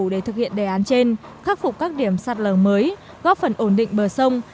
để thực hiện đề án trên khắc phục các điểm sạt lở mới góp phần ổn định bờ sông